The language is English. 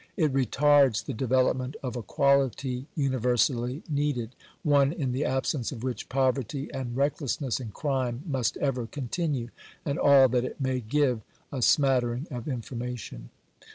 It retards the development of a quality universally needed — one in the absence of which poverty, and recklessness, and crime, must ever continue ; and all that it may give a smattering of information.